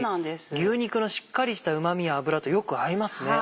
牛肉のしっかりしたうま味や脂とよく合いますね。